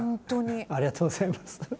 ありがとうございます。